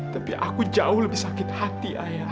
tapi aku jauh lebih sakit hati ayah